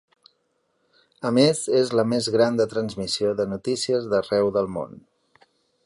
A més, és la més gran de transmissió de notícies d'arreu del món.